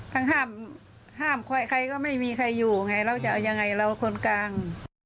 ห้ามใครก็ไม่มีใครอยู่ไงเราจะเอายังไงเราคนกลาง